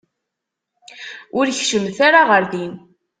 Ur keččmet ara ɣer din.